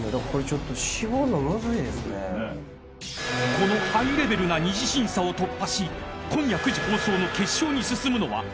［このハイレベルな二次審査を突破し今夜９時放送の］